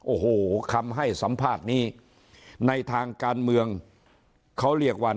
โอ้โหคำให้สัมภาษณ์นี้ในทางการเมืองเขาเรียกว่า